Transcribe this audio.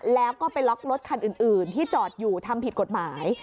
แล้วก็ไปล็อกรถคันอื่นที่จอดอยู่ทำผิดกฎหมาย